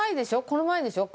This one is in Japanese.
この前でしょ？